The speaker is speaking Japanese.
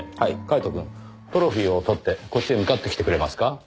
カイトくんトロフィーを取ってこっちへ向かってきてくれますか？